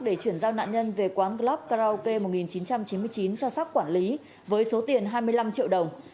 để chuyển giao nạn nhân về quán block karaoke một nghìn chín trăm chín mươi chín cho sắp quản lý với số tiền hai mươi năm triệu đồng